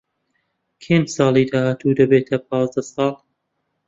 کێن ساڵی داهاتوو دەبێتە پازدە ساڵ.